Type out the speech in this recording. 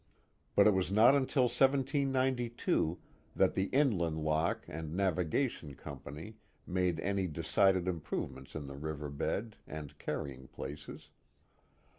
But it was not until 1792 that the Inland Lock and Navigation Com pany made any decided improvements in the river bed and carryintj placcs.